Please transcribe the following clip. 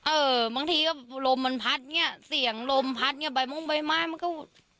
เออบางทีก็ลมมันพัดเนี้ยเสียงลมพัดเนี่ยใบมุ้งใบไม้มันก็